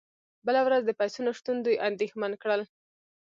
بله ورځ د پیسو نشتون دوی اندیښمن کړل